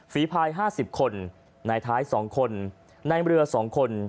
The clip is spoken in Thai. ฝีพายห้าสิบคนในท้ายสองคนในเรือสองคน